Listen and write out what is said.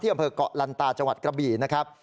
อำเภอกเกาะลันตาจังหวัดกระบี่นะครับ